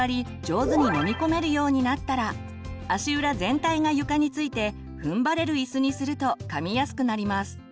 上手に飲み込めるようになったら足裏全体が床についてふんばれる椅子にするとかみやすくなります。